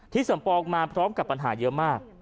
สมปองมาพร้อมกับปัญหาเยอะมาก